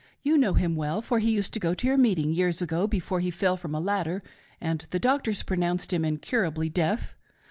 You know him well, for he used to go to your meeting, years ago before he foil from a ladder and the doctors pronounced him 'incurably deaf.